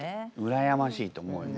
羨ましいと思うよね。